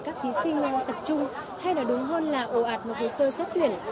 các thí sinh tập trung hay là đúng hơn là ồ ạt một thí sơ xét tuyển